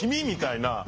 みたいな。